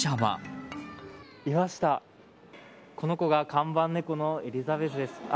この子が看板猫のエリザベスです。